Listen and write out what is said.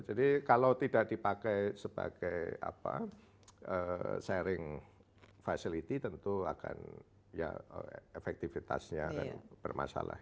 jadi kalau tidak dipakai sebagai sharing facility tentu akan ya efektivitasnya akan bermasalah